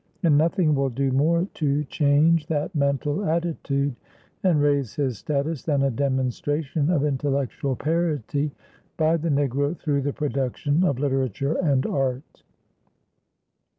And nothing will do more to change that mental attitude and raise his status than a demonstration of intellectual parity by the Negro through the production of literature and art.